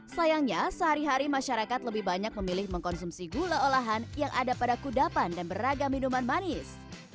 sayangnya sehari hari masyarakat lebih banyak memilih mengkonsumsi gula olahan yang ada pada kudapan dan beragam minuman manis